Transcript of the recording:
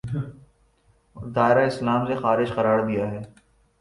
اور دائرۂ اسلام سے خارج قرار دیا ہے